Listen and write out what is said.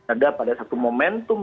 ada pada satu momentum